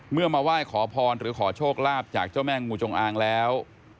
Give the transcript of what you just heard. มาไหว้ขอพรหรือขอโชคลาภจากเจ้าแม่งูจงอางแล้ว